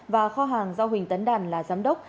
và kho hàng do huỳnh tấn đàn là giám đốc